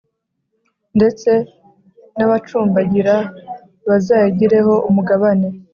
ndetse n’abacumbagira bazayigireho umugabane.